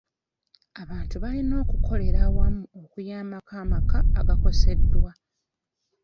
Abantu balina okukolera awamu okuyambako amaka agakoseddwa.